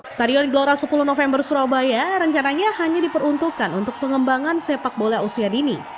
stadion gelora sepuluh november surabaya rencananya hanya diperuntukkan untuk pengembangan sepak bola usia dini